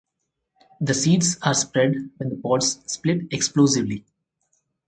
The seeds are spread when the pods split explosively.